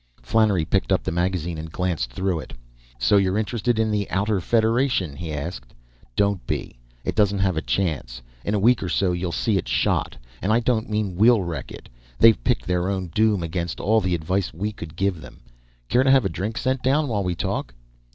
Flannery picked up the magazine and glanced through it. "So you're interested in the Outer Federation?" he asked. "Don't be. It doesn't have a chance. In a week or so, you'll see it shot. And I don't mean we'll wreck it. They've picked their own doom, against all the advice we could give them. Care to have a drink sent down while we talk?"